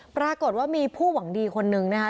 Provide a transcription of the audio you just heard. ปรากฏว่ามีผู้หวังดีคนนึงนะคะ